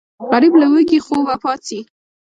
غریب له وږي خوبه پاڅي